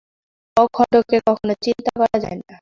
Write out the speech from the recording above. অখণ্ডকে কখনও চিন্তা করা যায় না।